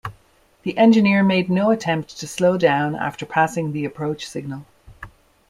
The engineer made no attempt to slow down after passing the approach signal.